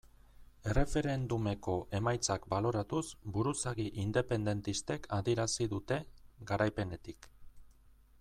Erreferendumeko emaitzak baloratuz buruzagi independentistek adierazi dute, garaipenetik.